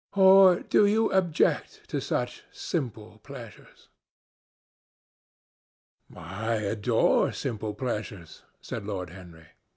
Or do you object to such simple pleasures?" "I adore simple pleasures," said Lord Henry.